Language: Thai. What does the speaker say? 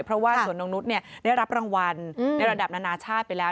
เพราะว่าสวนนกนุษย์ได้รับรางวัลในระดับนานาชาติไปแล้ว